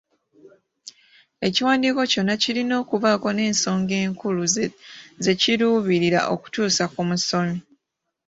Ekiwandiiko kyo kirina okubaako n'ensonga enkulu ze kiruubiirira okutuusa ku omusomi